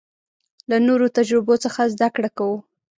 له نورو تجربو څخه زده کړه کوو.